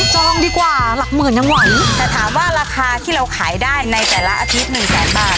จองดีกว่าหลักหมื่นยังไหวแต่ถามว่าราคาที่เราขายได้ในแต่ละอาทิตย์หนึ่งแสนบาท